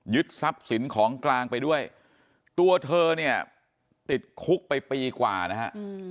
ทรัพย์สินของกลางไปด้วยตัวเธอเนี่ยติดคุกไปปีกว่านะฮะ